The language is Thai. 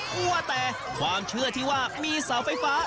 กลัวแต่ความเชื่อที่ว่ามีเสาไฟฟ้า